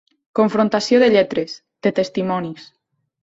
Confrontació de lletres, de testimonis.